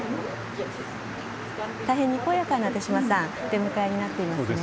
大変にこやかな出迎えになっていますね。